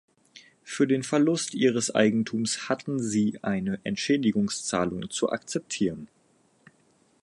Für den Verlust ihres Eigentums hatten sie eine Entschädigungszahlung zu akzeptieren.